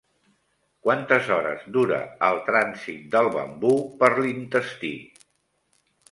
Quantes hores dura el trànsit del bambú per l'intestí?